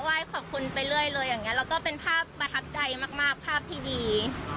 ไหว้ขอบคุณไปเรื่อยเรื่อยอย่างเงี้ยแล้วก็เป็นภาพประทับใจมากมากภาพที่ดี